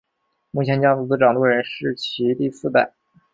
目前家族的掌舵人是其第四代。